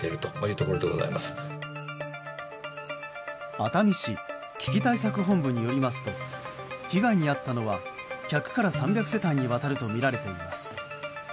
熱海市危機対策本部によりますと被害に遭ったのは１００から３００世帯にわたるとみられています。